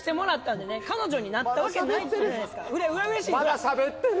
まだしゃべってる。